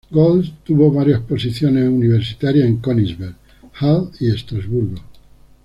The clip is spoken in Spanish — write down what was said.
Goltz tuvo varias posiciones universitarias en Königsberg, Halle y Estrasburgo.